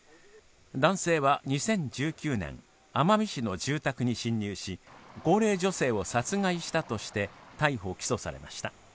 男性は２０１９年、奄美市の住宅に侵入し高齢女性を殺害したとして逮捕・起訴されました。